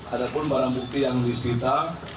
adapun barang bukti yang disita